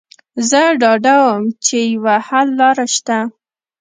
زه ډاډه وم چې یوه حل لاره شته